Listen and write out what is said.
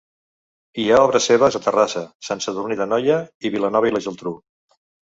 Hi ha obres seves a Terrassa, Sant Sadurní d'Anoia i a Vilanova i la Geltrú.